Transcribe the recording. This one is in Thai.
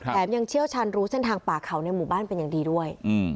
ยังเชี่ยวชาญรู้เส้นทางป่าเขาในหมู่บ้านเป็นอย่างดีด้วย